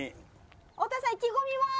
太田さん意気込みは？